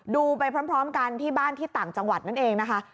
ดูไปพร้อมกันที่บ้านที่ต่างจังหวัดนั่นเองนะคะ